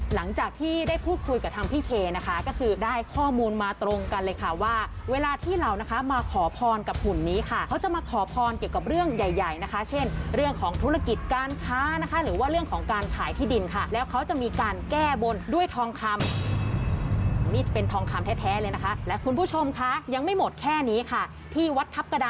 หลังจากที่ได้พูดคุยกับทางพี่เคนะคะก็คือได้ข้อมูลมาตรงกันเลยค่ะว่าเวลาที่เรานะคะมาขอพรกับหุ่นนี้ค่ะเขาจะมาขอพรเกี่ยวกับเรื่องใหญ่ใหญ่นะคะเช่นเรื่องของธุรกิจการค้านะคะหรือว่าเรื่องของการขายที่ดินค่ะแล้วเขาจะมีการแก้บนด้วยทองคำนี่เป็นทองคำแท้เลยนะคะและคุณผู้ชมคะยังไม่หมดแค่นี้ค่ะที่วัดทัพกระดา